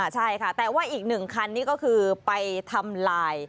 ใช่ค่ะแต่ว่าอีกหนึ่งคันนี่ก็คือไปทำลาย